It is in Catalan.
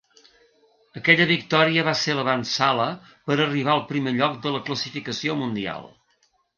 Aquella victòria va ser l'avantsala per a arribar al primer lloc de la classificació mundial.